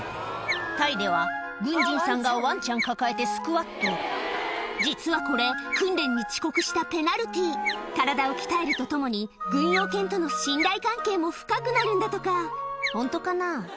タイでは軍人さんがワンちゃん抱えてスクワット実はこれ訓練に遅刻したペナルティー体を鍛えるとともに軍用犬との信頼関係も深くなるんだとかホントかな？